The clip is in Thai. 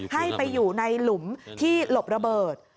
ให้ไปอยู่ในหลุมที่หลบระเบิด